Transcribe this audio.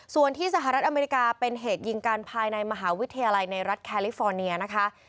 ส่วนที่สหรัฐอเมริกาเป็นเหตุยิงกันภายในมหาวิทยาลัยในรัฐแคลิฟอร์เนียนะคะ